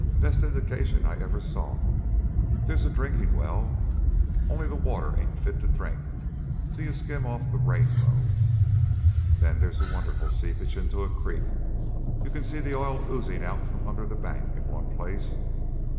Best indications I ever saw. There's a drinking well, only the water ain't fit to drink till you skim off the 'rainbow.' Then there's a wonderful seepage into the creek. You can see the oil oozing out from under the bank, in one place.